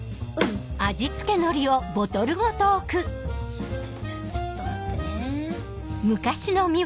よいしょちょっと待ってね。